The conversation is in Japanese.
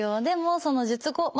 でもその術後